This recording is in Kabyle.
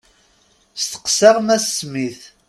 Steqseɣ Mass Smith.